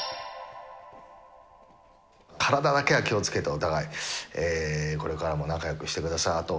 体だけは気をつけて、お互い、これからも仲よくしてください。